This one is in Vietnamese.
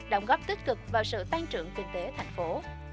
đóng góp tích cực vào sự tăng trưởng kinh tế thành phố